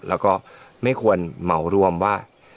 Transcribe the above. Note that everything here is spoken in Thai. แล้วก็ไม่ควรเหมารวมว่า